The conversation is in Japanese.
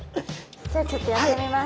じゃあちょっとやってみます。